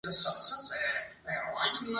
Creció en la ciudad de Tijuana.